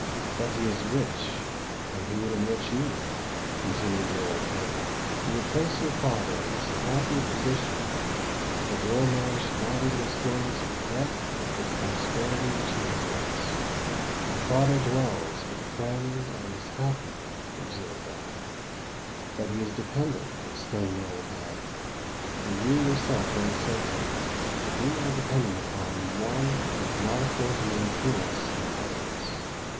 "But he is rich—and he would enrich you," continued the old harridan: "he would place your father in so happy a position that the old man should not even experience a regret for the prosperity which he has lost." "My father dwells with a friend, and is happy," observed Ellen. "But he is dependant," exclaimed the old hag: "for you yourself once said to me, 'We are dependant upon one who cannot afford to maintain us in idleness.'